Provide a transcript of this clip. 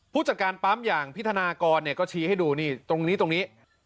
ผู้จัดการปั๊มอย่างพี่ธนากรเนี่ยก็ชี้ให้ดูนี่ตรงนี้ตรงนี้